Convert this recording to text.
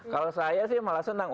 kalau saya sih malah senang